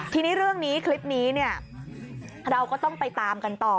ทีนี้เรื่องนี้คลิปนี้เนี่ยเราก็ต้องไปตามกันต่อ